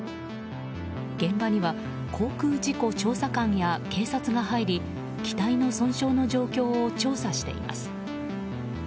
現場には航空事故調査官や警察が入り機体の損傷の状況を調査しています。